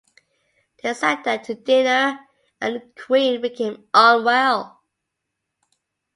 They sat down to dinner and the queen became unwell.